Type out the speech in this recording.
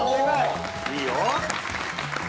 いいよ。